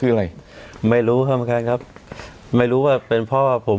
คืออะไรไม่รู้ครับเหมือนกันครับไม่รู้ว่าเป็นเพราะว่าผม